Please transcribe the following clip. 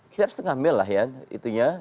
kira kira setengah mil lah ya itunya